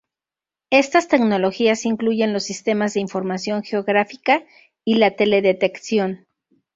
Estas tecnologías incluyen los sistemas de información geográfica y la teledetección.